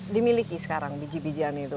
dimiliki sekarang biji bijian itu